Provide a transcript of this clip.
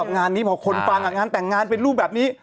งานนี้พอคนฟังงานแต่งงานเป็นรูปแบบนี้